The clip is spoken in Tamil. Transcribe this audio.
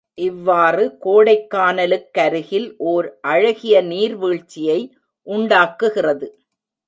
இவ்வாறு கோடைக்கானலுக்கருகில் ஓர் அழகிய நீர்வீழ்ச்சியை உண்டாக்குகிறது.